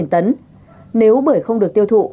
năm tấn nếu bưởi không được tiêu thụ